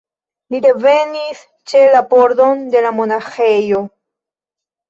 Li revenis ĉe la pordon de la monaĥejo.